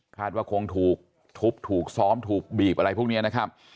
ว่าคงถูกทุบถูกซ้อมถูกบีบอะไรพวกนี้นะครับ